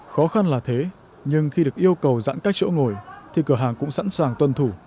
khó khăn là thế nhưng khi được yêu cầu giãn cách chỗ ngồi thì cửa hàng cũng sẵn sàng tuân thủ